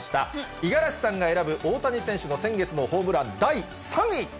五十嵐さんが選ぶ大谷選手の先月のホームラン第３位。